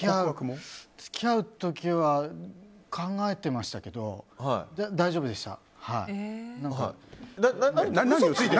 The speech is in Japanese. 付き合う時は考えていましたけど大丈夫でした。